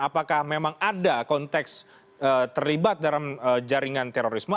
apakah memang ada konteks terlibat dalam jaringan terorisme